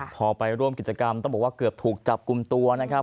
พอไปร่วมกิจกรรมต้องบอกว่าเกือบถูกจับกลุ่มตัวนะครับ